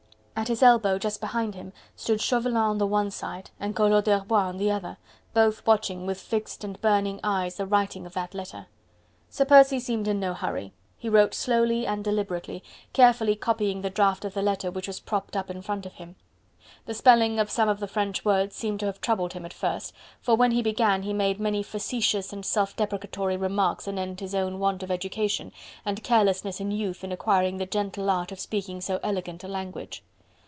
At his elbow just behind him stood Chauvelin on the one side and Collot d'Herbois on the other, both watching with fixed and burning eyes the writing of that letter. Sir Percy seemed in no hurry. He wrote slowly and deliberately, carefully copying the draft of the letter which was propped up in front of him. The spelling of some of the French words seemed to have troubled him at first, for when he began he made many facetious and self deprecatory remarks anent his own want of education, and carelessness in youth in acquiring the gentle art of speaking so elegant a language.